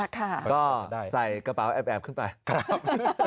ก็ใส่กระเป๋าแอบขึ้นไปครับ